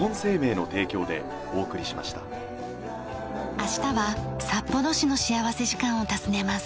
明日は札幌市の幸福時間を訪ねます。